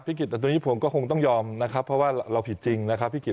กิจแต่ตัวนี้ผมก็คงต้องยอมนะครับเพราะว่าเราผิดจริงนะครับพี่กิจ